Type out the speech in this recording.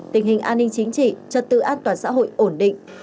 tình hình an ninh chính trị trật tự an toàn xã hội ổn định